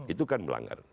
itu kan melanggar